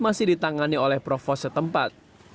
masih ditangani oleh provos setempat